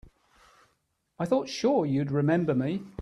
I thought sure you'd remember me.